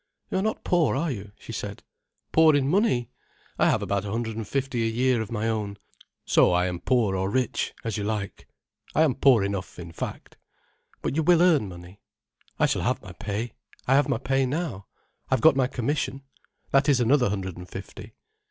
"You are not poor, are you?" she said. "Poor in money? I have about a hundred and fifty a year of my own—so I am poor or rich, as you like. I am poor enough, in fact." "But you will earn money?" "I shall have my pay—I have my pay now. I've got my commission. That is another hundred and fifty."